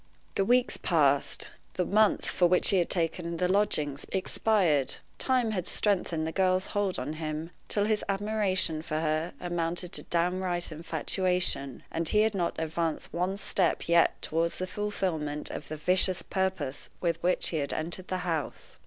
The weeks passed; the month for which he had taken the lodgings expired. Time had strengthened the girl's hold on him till his admiration for her amounted to downright infatuation, and he had not advanced one step yet toward the fulfillment of the vicious purpose with which he had entered the house.